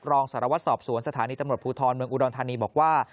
รองสารวัตรสอบสวนสถานีตำรวจภูทรเมืองอุดรธานีบอกว่า